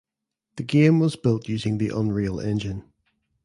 The game was built using the Unreal Engine.